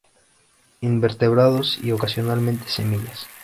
Invertebrados y ocasionalmente semillas.